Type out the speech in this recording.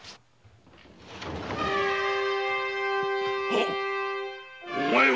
あッお前は。